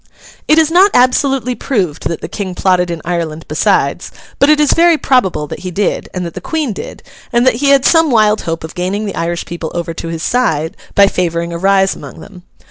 It is not absolutely proved that the King plotted in Ireland besides, but it is very probable that he did, and that the Queen did, and that he had some wild hope of gaining the Irish people over to his side by favouring a rise among them.